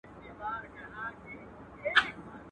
د بې عقلانو جواب پټه خوله دئ.